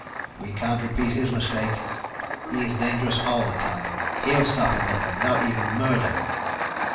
We can't repeat his mistake. He is dangerous all the time. He will stop at nothing. Not even murder."